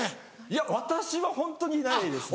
いや私はホントにないですね。